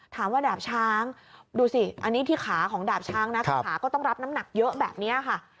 ดาบช้างดูสิอันนี้ที่ขาของดาบช้างนะคือขาก็ต้องรับน้ำหนักเยอะแบบนี้ค่ะ